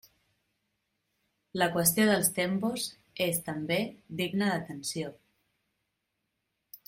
La qüestió dels tempos és també digna d'atenció.